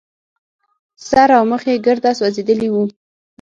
سر او مخ يې ګرده سوځېدلي وو.